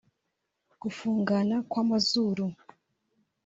gufungana kw’amazuru